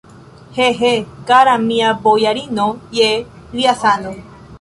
He, he, kara mia bojarino, je lia sano!